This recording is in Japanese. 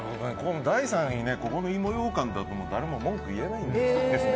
第３位にここの芋ようかんだと誰も文句言えないんですよ。